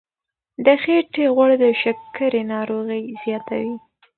د خېټې غوړ د شکرې ناروغي زیاتوي.